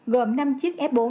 gồm năm chiếc f bốn